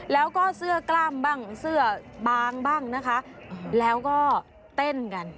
แล้วก็เสื้อกล้ามบ้างเสื้อบางบ้างนะคะแล้วก็เต้นกัน